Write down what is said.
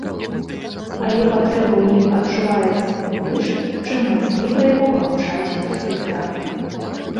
Але патрэба ў ім адчуваецца тым больш, чым мацней пра яго маўчаць у спектаклі.